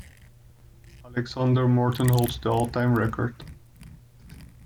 Alexander Morten holds the all-time record.